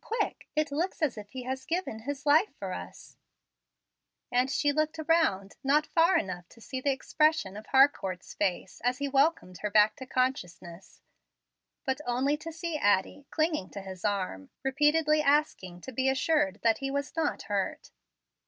Quick. It looks as if he had given his life for us"; and she looked around, not far enough to see the expression of Harcourt's face as he welcomed her back to consciousness, but only to see Addie clinging to his arm, repeatedly asking to be assured that he was not hurt.